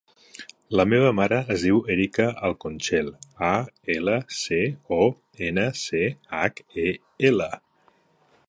La meva mare es diu Erika Alconchel: a, ela, ce, o, ena, ce, hac, e, ela.